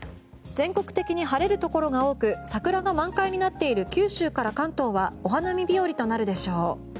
全国的に晴れるところが多く桜が満開になっている九州から関東はお花見日和となるでしょう。